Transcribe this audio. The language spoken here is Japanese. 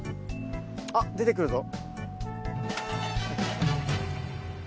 あっ出てくるぞ。